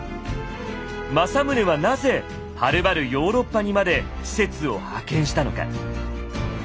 政宗はなぜはるばるヨーロッパにまで使節を派遣したのか。